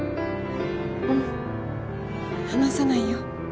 うん離さないよ